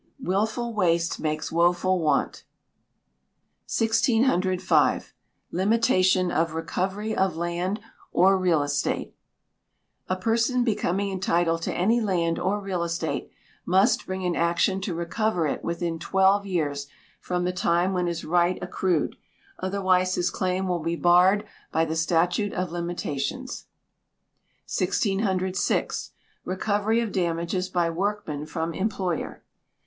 [WILFUL WASTE MAKES WOEFUL WANT.] 1605. Limitation of Recovery of Land or Real Estate. A person becoming entitled to any land or real estate, must bring an action to recover it within twelve years from the time when his right accrued, otherwise his claim will be barred by the "Statute of Limitations." 1606. Recovery of Damages by Workmen from Employer.